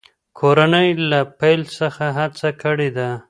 کورنۍ له پیل څخه هڅه کړې ده.